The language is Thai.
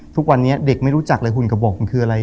ทุกวันนี้เด็กไม่รู้จักเลยหุ่นกระบอกมันคืออะไร